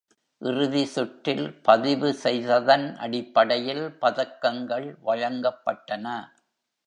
இறுதி சுற்றில் பதிவு செய்ததன் அடிப்படையில் பதக்கங்கள் வழங்கப்பட்டன.